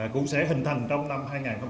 cũng sẽ hình thành trong năm hai nghìn hai mươi